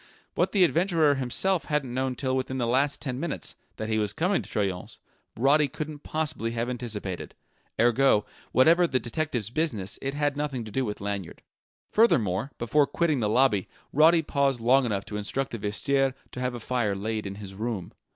What the adventurer himself hadn't known till within the last ten minutes, that he was coming to Troyon's, Roddy couldn't possibly have anticipated; ergo, whatever the detective's business, it had nothing to do with Lanyard. Furthermore, before quitting the lobby, Roddy paused long enough to instruct the vestiaire to have a fire laid in his room.